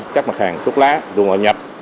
các mặt hàng thuốc lá đuôi ngọt nhập